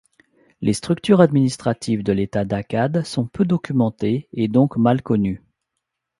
Les structures administratives de l'État d'Akkad sont peu documentées et donc mal connues.